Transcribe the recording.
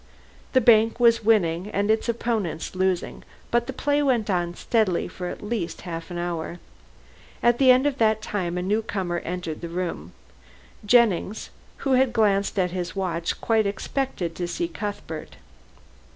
The bank was winning and its opponents losing, but the play went on steadily for at least half an hour. At the end of that time a newcomer entered the room. Jennings, who had glanced at his watch, quite expected to see Cuthbert.